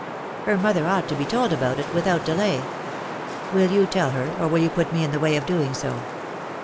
Her mother ought to be told about it, without delay." "Will you tell her, or will you put me in the way of doing so?"